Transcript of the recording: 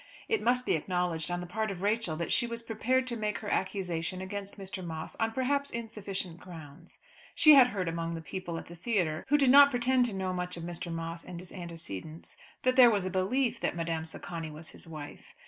It must be acknowledged on the part of Rachel that she was prepared to make her accusation against Mr. Moss on perhaps insufficient grounds. She had heard among the people at the theatre, who did not pretend to know much of Mr. Moss and his antecedents, that there was a belief that Madame Socani was his wife.